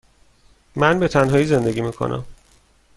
من به تنهایی زندگی می کنم.